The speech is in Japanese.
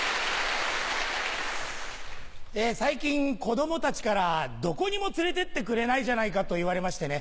最近子供たちからどこにも連れてってくれないじゃないかと言われましてね。